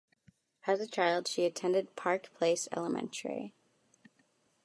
As a child she attended Park Place Elementary.